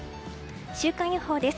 週間予報です。